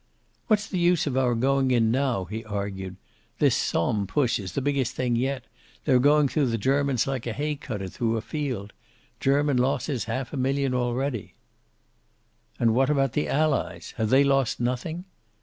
"What's the use of our going in now?" he argued. "This Somme push is the biggest thing yet. They're going through the Germans like a hay cutter through a field. German losses half a million already." "And what about the Allies? Have they lost nothing?"